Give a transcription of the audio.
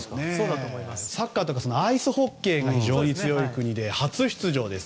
サッカーとかアイスホッケーが強い国で初出場です。